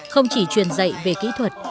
không chỉ truyền dạy về kỹ thuật